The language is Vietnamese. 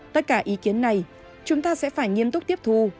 tất cả ý kiến này chúng ta sẽ phải nghiêm túc tiếp thu